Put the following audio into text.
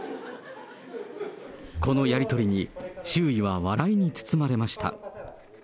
このやり取りに周囲は笑いに包まれました。